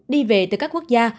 đi về từ các quốc gia